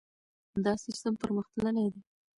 دا سیستم پرمختللی دی.